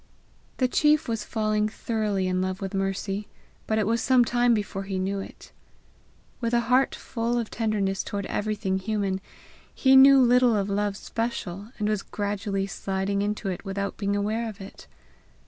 The chief was falling thoroughly in love with Mercy, but it was some time before he knew it. With a heart full of tenderness toward everything human, he knew little of love special, and was gradually sliding into it without being aware of it.